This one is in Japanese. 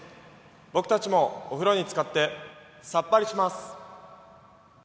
僕たちもお風呂につかってさっぱりします。